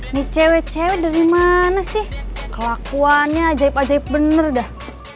ini cewek cewek dari mana sih kelakuannya ajaib ajaib bener dah